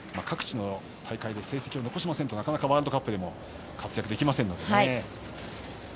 各地の大会で成績を残しませんとなかなかワールドカップでも活躍できませんのでね。